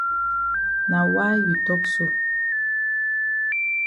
Na why you tok so?